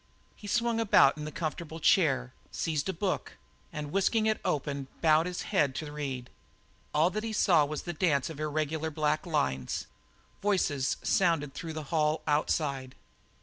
He swung about in the comfortable chair, seized a book and whisking it open bowed his head to read. All that he saw was a dance of irregular black lines: voices sounded through the hall outside.